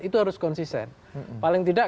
itu harus konsisten paling tidak